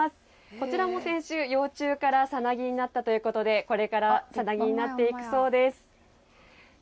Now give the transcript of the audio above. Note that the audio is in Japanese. こちらも先週、幼虫からさなぎになったということでこれからさなぎになっていくそうです。